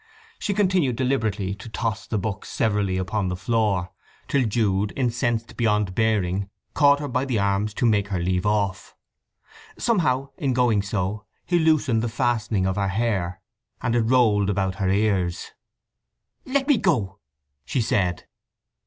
She continued deliberately to toss the books severally upon the floor, till Jude, incensed beyond bearing, caught her by the arms to make her leave off. Somehow, in going so, he loosened the fastening of her hair, and it rolled about her ears. "Let me go!" she said.